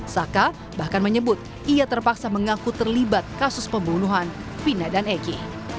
saka bahkan menyebut ia terpaksa mengaku terlibat kasus pembunuhan vina dan egy